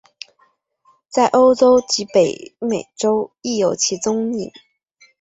在欧洲及北美洲亦有其踪影。